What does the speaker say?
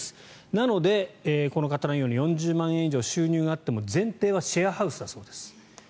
なので、この方のように４０万円以上収入があっても前提はシェアハウスだそうです。